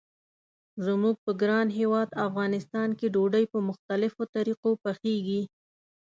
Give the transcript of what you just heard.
زموږ په ګران هیواد افغانستان کې ډوډۍ په مختلفو طریقو پخیږي.